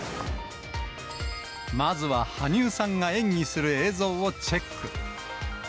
まずは羽生さんが演技する映像をチェック。